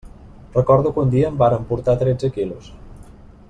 Recordo que un dia en vàrem portar tretze quilos.